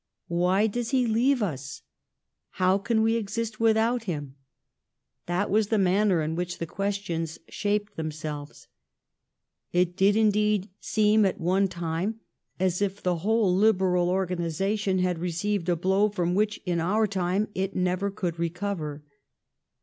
Why does he leave us ? How can we exist without him ? That was the manner in which the questions shaped them selves. It did, indeed, seem at one time as if the whole Liberal organization had received a blow from which in our time it never could recover.